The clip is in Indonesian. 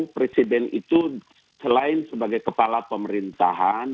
presiden itu selain sebagai kepala pemerintahan